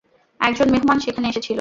একজন মেহমান সেখানে এসেছিল।